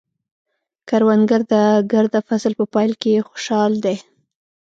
کروندګر د ګرده فصل په پای کې خوشحال دی